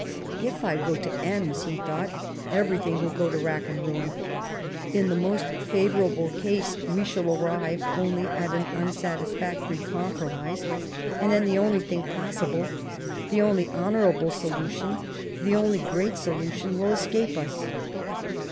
" If I go to Ems," he thought, " everything will go to wrack and ruin. In the most favourable case, we shall arrive only at an unsatisfactory com promise, and then the only possible solution, the only honourable solution, the only great solution, will escape us."